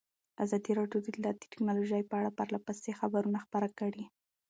ازادي راډیو د اطلاعاتی تکنالوژي په اړه پرله پسې خبرونه خپاره کړي.